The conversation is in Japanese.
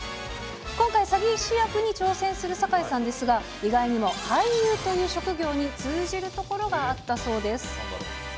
今回、詐欺師役に挑戦する堺さんですが、意外にも俳優という職業に通じるところがあったそうです。